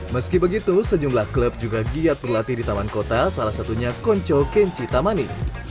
meski begitu sejumlah klub juga giat berlatih di taman kota salah satunya konco kenji tamani